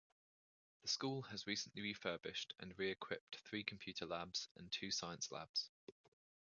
The school has recently refurbished and re-equipped three Computer Labs and two Science Labs.